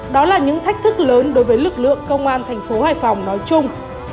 đó là những thách thức lớn đối với lực lượng công an thành phố hải phòng nói chung